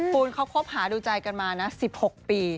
ภูมิเขาคบหาดูใจกันมา๑๖ปี